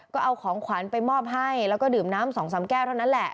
ก็เอาของขวัญไปมอบให้แล้วก็ดื่มน้ำ๒๓แก้วเท่านั้นแหละ